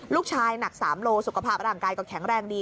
ลูกชายหนัก๓โลสุขภาพร่างกายก็แข็งแรงดี